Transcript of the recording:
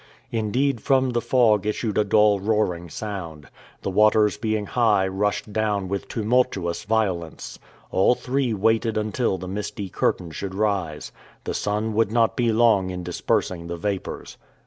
Indeed, from the fog issued a dull roaring sound. The waters being high rushed down with tumultuous violence. All three waited until the misty curtain should rise. The sun would not be long in dispersing the vapors.